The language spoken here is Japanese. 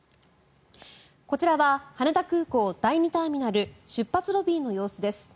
こちらは羽田空港第２ターミナル出発ロビーの様子です。